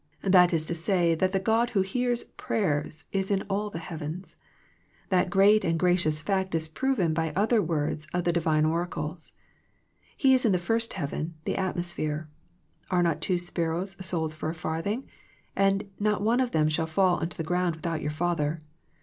That is to say that the God who hears prayer is in all the heavens. That great and gracious fact is proven by other words of the Di vine oracles. He is in the first heaven, the at mosphere ;" Are not two sparrows sold for a farthing ? and not one of them shall fall on the ground without your Father."